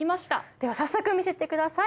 では早速見せてください。